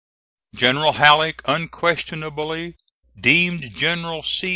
General Halleck unquestionably deemed General C.